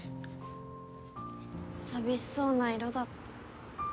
寂しそうな色だった。